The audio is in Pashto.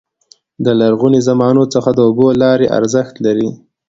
د لرغوني زمانو څخه د اوبو لارې ارزښت لري.